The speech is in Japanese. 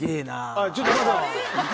あっちょっとまだ。